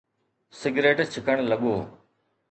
Cigarette ڇڪڻ لڳو.